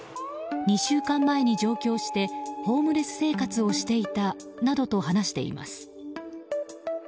２週間前に上京してホームレス生活をしていたなどと話しています。